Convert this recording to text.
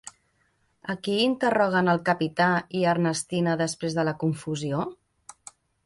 A qui interroguen el Capità i Ernestina després de la confusió?